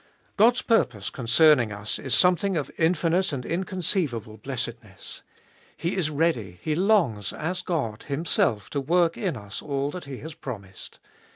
God's purpose concerning us is something of infinite and inconceivable blessedness. He is ready, He longs, as God, Him self to work in us all that He has promised.